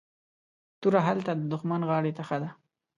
توره هلته ددښمن غاړي ته ښه ده